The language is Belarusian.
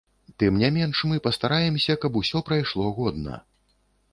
Тым не менш мы пастараемся, каб усё прайшло годна.